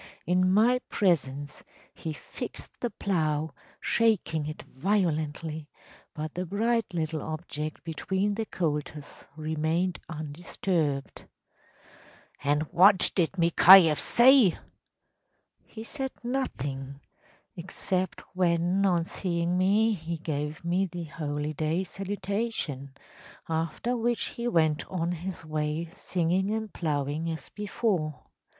In my presence he fixed the plough, shaking it violently, but the bright little object between the colters remained undisturbed.‚ÄĚ “And what did Mikhayeff say?‚ÄĚ “He said nothing‚ÄĒexcept when, on seeing me, he gave me the holy day salutation, after which he went on his way singing and ploughing as before.